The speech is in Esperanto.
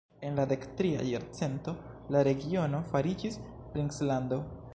En la dektria jarcento, la regiono fariĝis princlando.